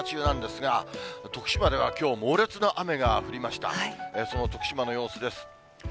その徳島の様子です。